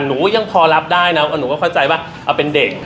หนูยังพอรับได้นะว่าหนูก็เข้าใจว่าเอาเป็นเด็ก